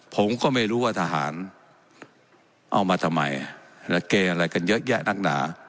ผมก็ไม่รู้ว่าทหารเอามาทำไมและเกย์อะไรกันเยอะแยะนักหนา